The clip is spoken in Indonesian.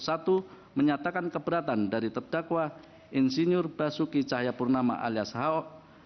satu menyatakan keberatan dari terdakwa insinyur basuki cahayapurnama alias ahok